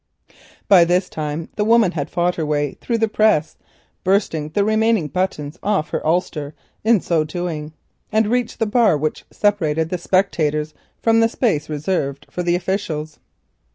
By this time the woman had fought her way through the press, bursting the remaining buttons off her ulster in so doing, and reached the bar which separated spectators from the space reserved for the officials.